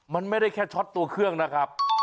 มันไม่ได้แค่ช็อตตัวเครื่องนะครับ